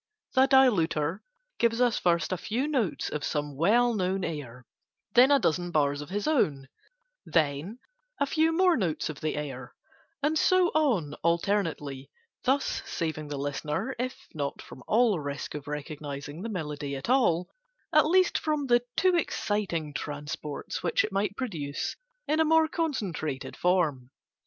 The Diluter gives us first a few notes of some well known Air, then a dozen bars of his own, then a few more notes of the Air, and so on alternately: thus saving the listener, if not from all risk of recognising the melody at all, at least from the too exciting transports which it might produce in a more concentrated form.